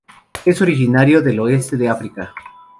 Es originario del oeste de África.